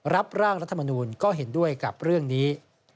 รับร่างรัฐมนูลก็เห็นด้วยกับเรื่องนี้